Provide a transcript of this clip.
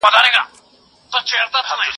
زه بايد کتاب وليکم..